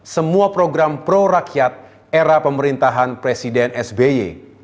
semua program pro rakyat era pemerintahan presiden sby